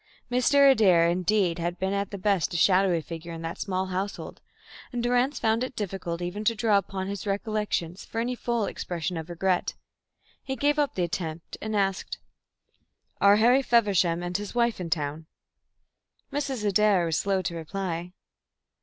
Mr. Adair indeed had been at the best a shadowy figure in that small household, and Durrance found it difficult even to draw upon his recollections for any full expression of regret. He gave up the attempt and asked: "Are Harry Feversham and his wife in town?" Mrs. Adair was slow to reply.